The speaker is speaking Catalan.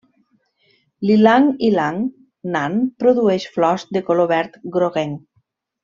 L'ilang-ilang nan produeix flors de color verd groguenc.